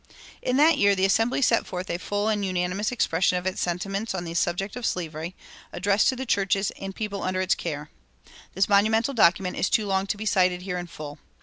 In that year the Assembly set forth a full and unanimous expression of its sentiments on the subject of slavery, addressed "to the churches and people under its care." This monumental document is too long to be cited here in full.